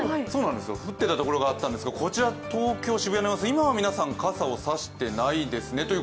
そうなんですよ降ってたところがあったんですが、こちら東京・渋谷の様子、傘を差してないですね。